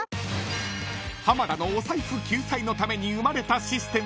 ［浜田のお財布救済のために生まれたシステム］